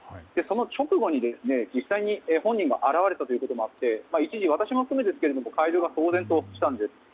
直後に実際に本人が現れたということもあり一時、私も含めて会場が騒然としたんです。